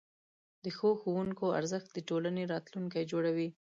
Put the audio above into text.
د ښو ښوونکو ارزښت د ټولنې راتلونکی جوړوي.